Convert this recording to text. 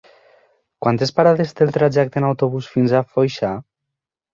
Quantes parades té el trajecte en autobús fins a Foixà?